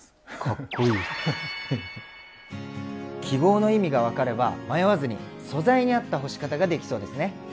記号の意味が分かれば迷わずに素材に合った干し方ができそうですね。